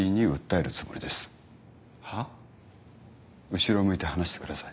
後ろを向いて話してください。